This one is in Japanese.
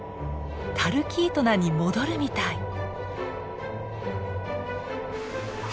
タルキートナに戻るみたい。